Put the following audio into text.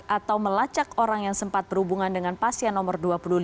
atau melacak orang yang sempat berhubungan dengan pasien nomor dua puluh dua